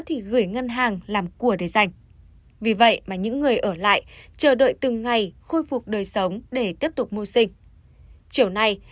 người nông dân nông nhàn bất đắc dĩ